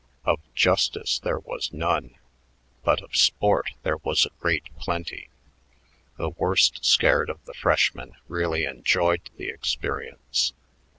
Of justice there was none, but of sport there was a great plenty. The worst scared of the freshmen really enjoyed the experience.